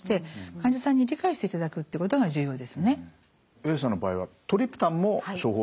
Ａさんの場合はトリプタンも処方してたっていうことで。